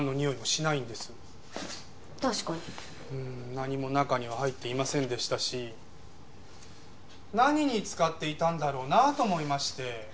何も中には入っていませんでしたし何に使っていたんだろうなと思いまして。